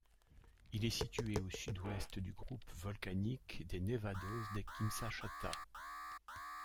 Il est situé au sud-ouest du groupe volcanique des Nevados de Quimsachata.